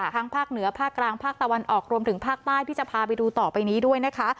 ภาคเหนือภาคกลางภาคตะวันออกรวมถึงภาคใต้ที่จะพาไปดูต่อไปนี้ด้วยนะคะ